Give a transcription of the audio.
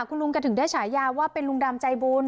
คุณลุงก็ถึงได้ฉายาว่าเป็นลุงดำใจบุญ